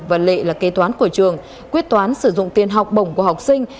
và lệ là kế toán của trường quyết toán sử dụng tiền học bổng của học sinh